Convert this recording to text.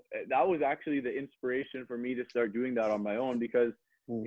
jadi itu sebenarnya inspirasi gue untuk mulai ngobrol di sini sendiri